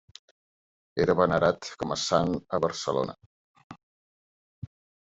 Era venerat com a sant a Barcelona.